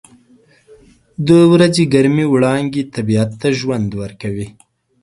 • د ورځې ګرمې وړانګې طبیعت ته ژوند ورکوي.